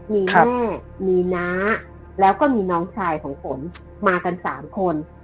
มีแม่มีน้าแล้วก็มีน้องชายของฝนมากัน๓คน